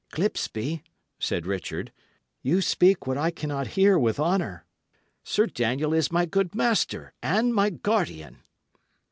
"Clipsby," said Richard, "you speak what I cannot hear with honour. Sir Daniel is my good master, and my guardian."